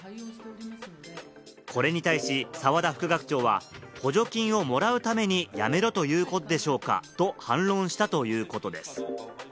これに対し、澤田副学長は、補助金をもらうために辞めろということでしょうか？と反論したということです。